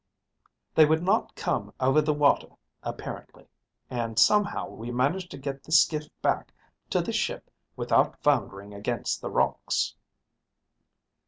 They would not come over the water, apparently, and somehow we managed to get the skiff back to the ship without foundering against the rocks."